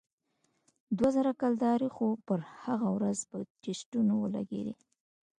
دوه زره کلدارې خو پر هغه ورځ په ټسټونو ولگېدې.